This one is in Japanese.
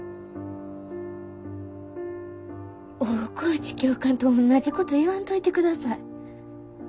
大河内教官とおんなじこと言わんといてください。